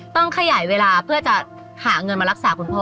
ต้องขยายเวลาเพื่อจะหาเงินมารักษาคุณพ่อ